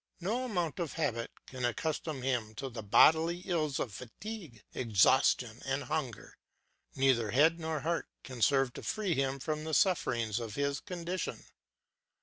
No amount of habit can accustom him to the bodily ills of fatigue, exhaustion, and hunger. Neither head nor heart can serve to free him from the sufferings of his condition.